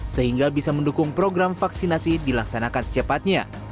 sehingga bisa mendukung program vaksinasi dilaksanakan secepatnya